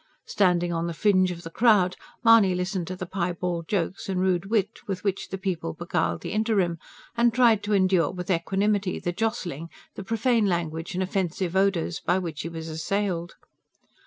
Standing on the fringe of the crowd, Mahony listened to the piebald jokes and rude wit with which the people beguiled the interim; and tried to endure with equanimity the jostling, the profane language and offensive odours, by which he was assailed.